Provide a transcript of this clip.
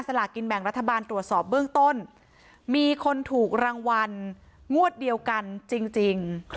ลากินแบ่งรัฐบาลตรวจสอบเบื้องต้นมีคนถูกรางวัลงวดเดียวกันจริง